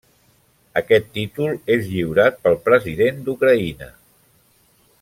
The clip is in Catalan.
Aquest títol és lliurat pel President d'Ucraïna.